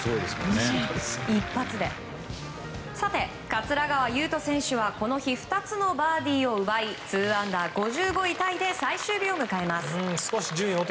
桂川有人選手はこの日２つのバーディーを奪い２アンダー、５５位タイで最終日を迎えます。